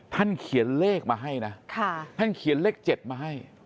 ท่านเขียนเลขมาให้นะท่านเขียนเลข๗มาให้